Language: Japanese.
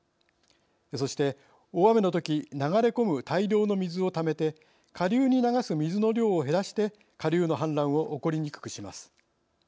そして、大雨のとき流れ込む大量の水をためて下流に流す水の量を減らして下流の氾濫を起こりにくくします。